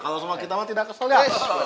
kalau sama kita mah tidak kesel ya